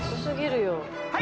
はい！